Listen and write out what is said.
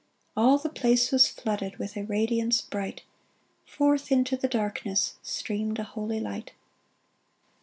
All the place was flooded With a radiance bright ; Forth into the darkness Streamed a holy light.